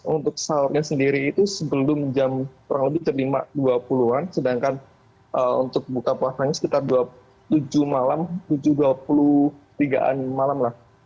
untuk sahurnya sendiri itu sebelum jam kurang lebih jam lima dua puluh an sedangkan untuk buka puasanya sekitar tujuh malam tujuh dua puluh tiga an malam lah